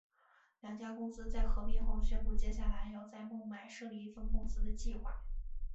两家公司在合并后宣布接下来要在孟买设立分公司的计划。